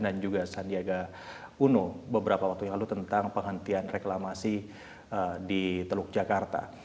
dan juga sandiaga uno beberapa waktu yang lalu tentang penghentian reklamasi di teluk jakarta